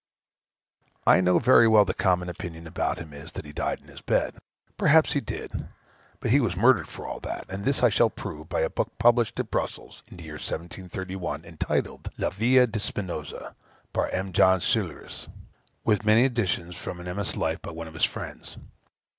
I know very well the common opinion about him is, that he died in his bed. Perhaps he did, but he was murdered for all that; and this I shall prove by a book published at Brussels, in the year 1731, entitled, La Via de Spinosa; Par M. Jean Colerus, with many additions, from a MS. life, by one of his friends.